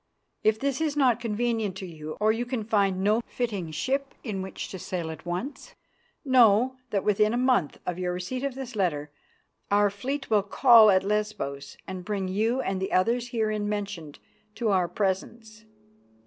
If it is not convenient to you, or you can find no fitting ship in which to sail at once, know that within a month of your receipt of this letter our fleet will call at Lesbos and bring you and the others herein mentioned to our Presence."